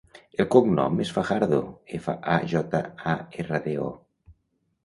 El cognom és Fajardo: efa, a, jota, a, erra, de, o.